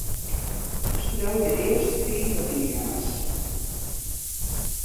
Skriuw de earste fiif alinea's.